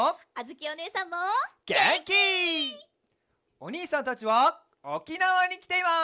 おにいさんたちはおきなわにきています！